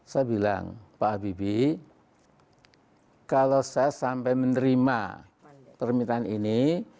saya bilang pak habibie kalau saya sampai menerima permintaan ini